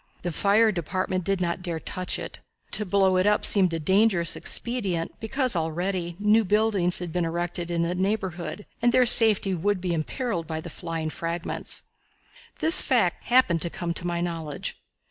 The Fire Department did not dare touch it. To blow it up seemed a dangerous expedient, because already new buildings had been erected in its neighborhood, and their safety would be imperiled by the flying fragments. The fact happened to come to my knowledge.